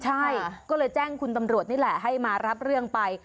ใช่ก็เลยแจ้งคุณตำรวจนี่แหละให้มารับเรื่องไป